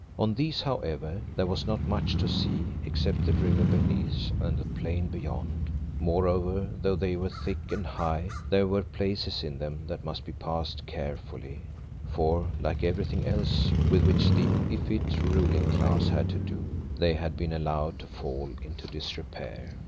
On these, however, there was not much to see except the river beneath and the plain beyond, moreover, though they were thick and high there were places in them that must be passed carefully, for, like everything else with which the effete ruling class had to do, they had been allowed to fall into disrepair.